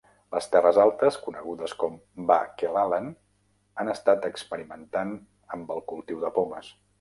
Les terres altes, conegudes com Ba'Kelalan, han estat experimentant amb el cultiu de pomes.